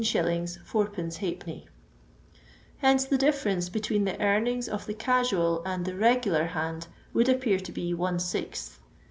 . 15 4) Hence the difference between the earnings of the casual and the regular hand would appear to be one sixth.